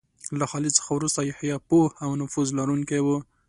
له خالد څخه وروسته یحیی پوه او نفوذ لرونکی و.